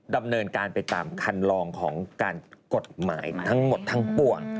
ดำเนินการไปตามคันลองของการกฎหมายทั้งหมดทั้งปวง